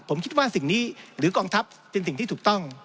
ผมคิดว่าสิ่งนี้หรือกองทัพเป็นสิ่งที่ถูกต้อง